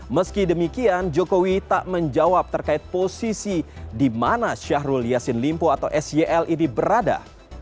meski demikian jokowi tak menjawab terkait posisi di mana syahrul yassin limpo atau syl ini berada